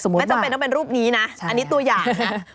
ไม่จำเป็นต้องเป็นรูปนี้นะอันนี้ตัวอย่างนะ